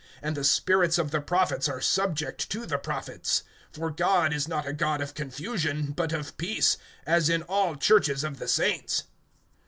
(32)And the spirits of the prophets are subject to the prophets. (33)For God is not a God of confusion, but of peace, as in all churches of the saints.